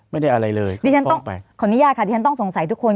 ไม่ได้อะไรเลยดิฉันต้องขออนุญาตค่ะที่ฉันต้องสงสัยทุกคน